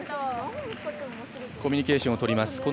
コミュニケーションをとります。